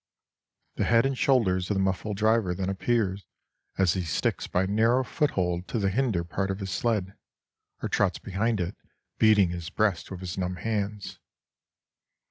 The head and shoulders of the muffled driver then appear, as he sticks by narrow foothold to the hinder part of his sled, or trots behind it beating his breast with his numb hands.